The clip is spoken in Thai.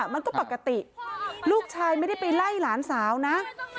มันก็ปกติลูกชายไม่ได้ไปไล่หลานสาวนะ